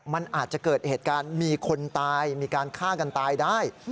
มันอาจจะเกิดเหตุการณ์มีคนตายมีการฆ่ากันตายได้